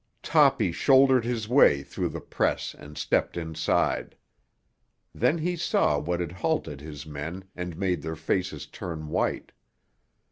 Toppy shouldered his way through the press and stepped inside. Then he saw what had halted his men and made their faces turn white.